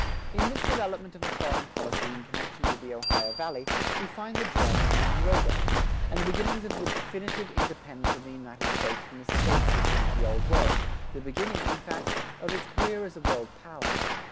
In this development of a foreign policy in connection with the Ohio Valley, we find the germ of the Monroe doctrine, and the beginnings of the definite independence of the United States from the state system of the Old World, the beginning, in fact, of its career as a world power.